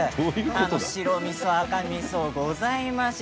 白みそ、赤みそあります。